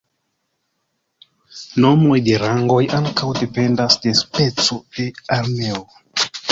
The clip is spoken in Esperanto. Nomoj de rangoj ankaŭ dependas de speco de armeo.